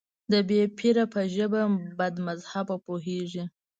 د بې پيره په ژبه بدمذهبه پوهېږي.